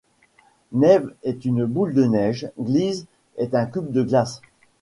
Neve est une boule de neige, Gliz est un cube de glace.